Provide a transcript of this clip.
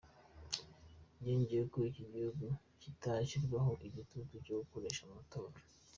Yongeyeho ko iki gihugu kitashyirwaho igitutu cyo gukoresha amatora.